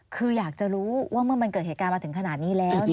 คืออยากจะรู้ว่าเมื่อมันเกิดเหตุการณ์มาถึงขนาดนี้แล้ว